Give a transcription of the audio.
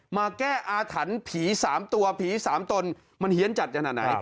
มาแก้อาถรรพีศาสตร์ตัวผีศาสตรมันเหี้ยนจัดจันทร์ไหน